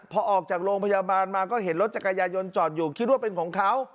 พอออกจากโรงพยาบาลมาก็เห็นรถจักรยายนจอดอยู่คิดว่าเป็นของเขา